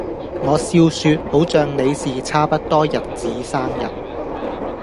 我笑說好像你是差不多日子生日